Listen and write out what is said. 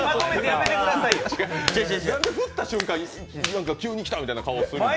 何で振った瞬間、急に来たみたいな顔するんですか？